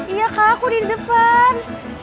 iya kak aku di depan